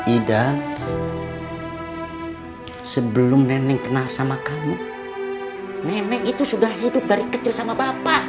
ida sebelum neneng kenal sama kamu nenek itu sudah hidup dari kecil sama bapak